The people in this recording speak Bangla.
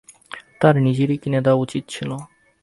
তাঁর নিজেরই কিনে দেয়া উচিত ছিল।